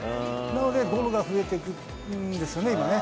なのでゴロが増えてるんですよね、今ね。